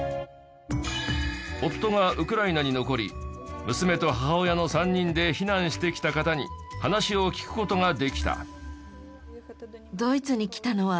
夫がウクライナに残り娘と母親の３人で避難してきた方に話を聞く事ができた。